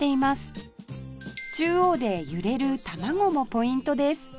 中央で揺れる卵もポイントです